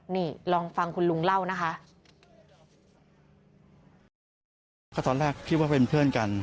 นี่ลองฟังคุณลุงเล่านะคะ